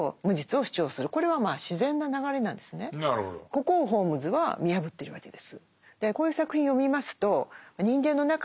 ここをホームズは見破ってるわけです。